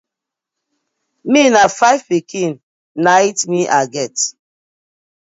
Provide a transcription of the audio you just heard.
Mi na fiv pikin na it me I get.